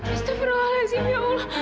astaghfirullahaladzim ya allah